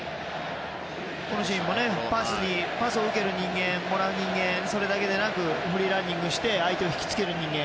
今のシーンもパスを受ける人間もらう人間のそれだけでなくフリーランニングで相手を引きつける人間